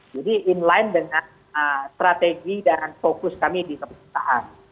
jadi in line dengan strategi dan fokus kami di keputusan